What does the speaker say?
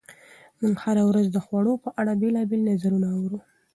موږ هره ورځ د خوړو په اړه بېلابېل نظرونه اورو.